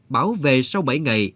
bảo vệ sau bảy ngày